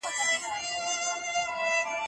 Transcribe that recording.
دا ډاکټر تر بل هغه د لوړ ږغ سره پاڼه چټک ړنګوي.